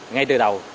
ngay từ đầu